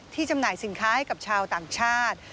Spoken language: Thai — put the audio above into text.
จำหน่ายสินค้าให้กับชาวต่างชาติ